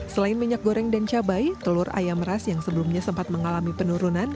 selain minyak goreng dan cabai telur ayam ras yang sebelumnya sempat mengalami penurunan